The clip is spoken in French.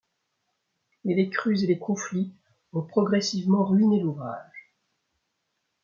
Mais les crues et les conflits ont progressivement ruiné l'ouvrage.